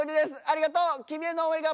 ありがとう。